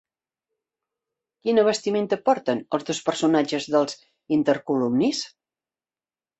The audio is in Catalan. Quina vestimenta porten els dos personatges dels intercolumnis?